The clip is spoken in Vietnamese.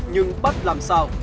nhưng bắt làm sao